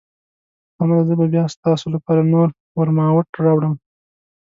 سمه ده، زه به بیا ستاسو لپاره نور ورماوټ راوړم.